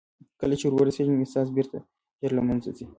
کله چې ور رسېږم احساس بېرته ژر له منځه ځي.